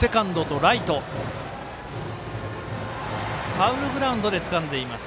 ファウルグラウンドでつかんでいます。